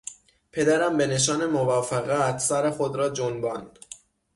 پدرم به نشان موافقت سر خود را جنباند.